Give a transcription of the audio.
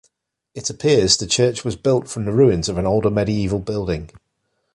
It appears the church was built from the ruins of an older medieval building.